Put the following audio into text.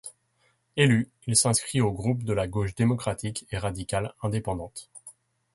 Élu, il s'inscrit au groupe de la Gauche démocratique et radicale indépendante.